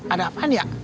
ada apaan ya